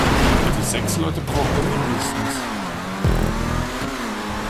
Also sechs Leute brauchen wir mindestens.